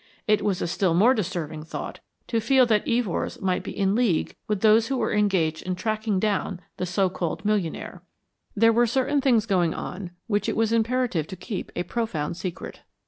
It was a still more disturbing thought to feel that Evors might be in league with those who were engaged in tracking down the so called millionaire. There were certain things going on which it was imperative to keep a profound secret.